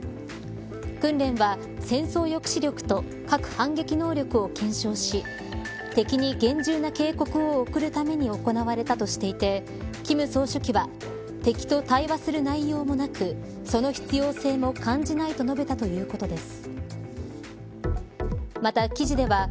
訓練は、戦争抑止力と核反撃能力を検証し敵に厳重な警告を送るために行われたとしていて金総書記は敵と対話する内容もなくその必要性も感じないと述べたということです。